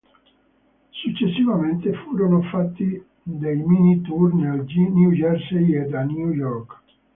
Successivamente furono fatti dei mini tour nel New Jersey ed a New York.